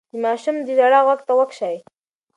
د ماشوم د ژړا غږ ته غوږ شئ.